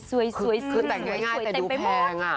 สวยคือแต่งง่ายแต่ดูแพงอ่ะ